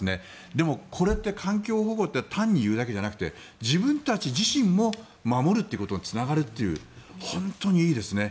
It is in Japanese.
でも、これって環境保護って単に言うだけじゃなくて自分たち自身も守るということにつながるという本当にいいですね。